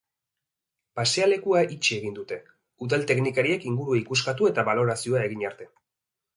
Pasealekua itxi egin dute, udal teknikariek ingurua ikuskatu eta balorazioa egin arte.